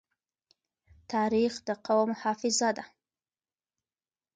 تاریخ د قوم حافظه ده.